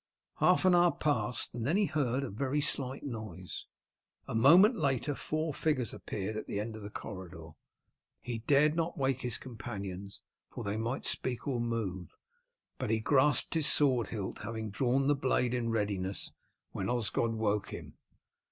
Half an hour passed, and then he heard a very slight noise. A moment later four figures appeared at the end of the corridor. He dared not wake his companions, for they might speak or move, but he grasped his sword hilt, having drawn the blade in readiness when Osgod woke him.